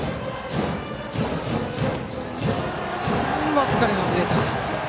僅かに外れた。